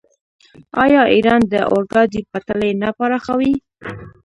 آیا ایران د اورګاډي پټلۍ نه پراخوي؟